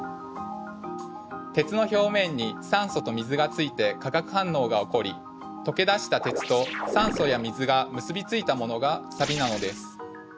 鉄の表面に酸素と水がついて化学反応が起こり溶け出した鉄と酸素や水が結び付いたものがサビなのです。